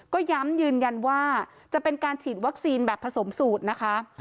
ก็ย้ำยืนยันว่าจะเป็นการฉีดวัคซีนแบบผสมสูตรนะคะ